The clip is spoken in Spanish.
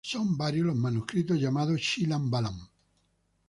Son varios los manuscritos llamados "Chilam balam".